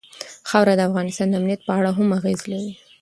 خاوره د افغانستان د امنیت په اړه هم اغېز لري.